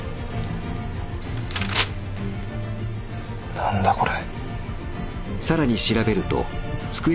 何だこれ？